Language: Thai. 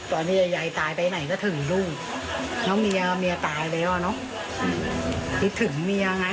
ตอนนี้ใหญ่ตายไปไหนก็ถึงรูปน้องเมียเมียตายเร็วนะพิถึงเมียไง